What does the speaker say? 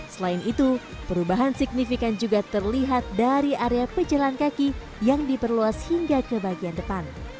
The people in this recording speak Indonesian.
selain itu perubahan signifikan juga terlihat dari area pejalan kaki yang diperluas hingga ke bagian depan